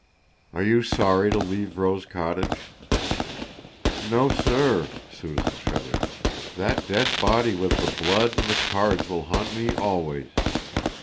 "Are you sorry to leave Rose Cottage?" "No, sir," Susan shuddered, "that dead body with the blood and the cards will haunt me always.